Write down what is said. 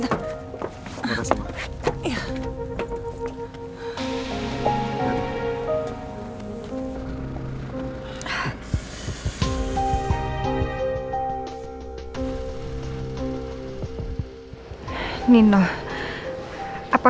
aku sudah salah